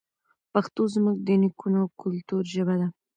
پښتو زموږ د نیکونو او کلتور ژبه ده.